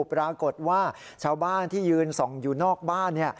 ปรากฏว่าชาวบ้านที่ยืนส่องอยู่นอกบ้าน